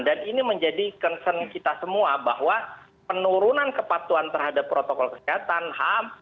dan ini menjadi concern kita semua bahwa penurunan kepatuhan terhadap protokol kesehatan ham